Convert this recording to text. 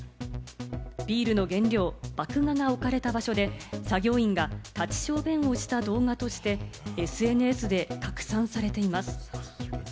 ビールの原料の麦芽が置かれた場所で作業員が立ち小便をした動画としてＳＮＳで拡散されています。